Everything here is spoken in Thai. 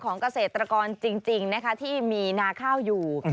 เกษตรกรจริงนะคะที่มีนาข้าวอยู่